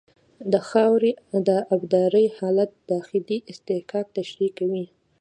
د خاورې د ابدارۍ حالت داخلي اصطکاک تشریح کوي